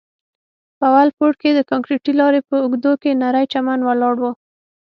په اول پوړ کښې د کانکريټي لارې په اوږدو کښې نرى چمن ولاړ و.